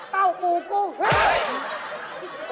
เต้าปูกุ้งเฮ้ย